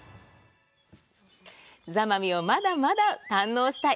座間味をまだまだ堪能したい。